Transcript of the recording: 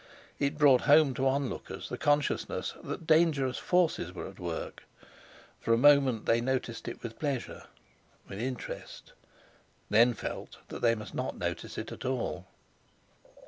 It brought home to onlookers the consciousness that dangerous forces were at work. For a moment they noticed it with pleasure, with interest, then felt they must not notice it at all.